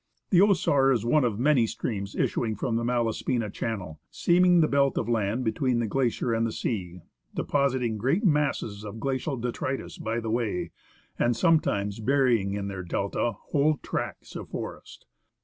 The Osar is one of the many streams issuing from the Mala spina channel, seaming the belt of land between the glacier and the sea, depositing great masses of glacial detritus by the way, and sometimes burying in their delta whole tracts of forest.